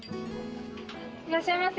いらっしゃいませ。